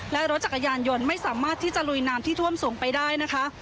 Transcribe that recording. และรถจักรยานยนต์ไม่สามารถที่จะลุยน้ำที่ท่วมสูงไปได้นะคะ